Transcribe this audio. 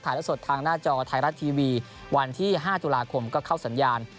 และสดทางหน้าจอไทยรัฐทีวีวันที่๕ตุลาคมก็เข้าสัญญาณ